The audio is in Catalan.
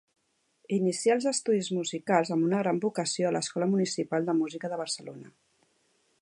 Inicià els estudis musicals amb una gran vocació a l'Escola Municipal de Música de Barcelona.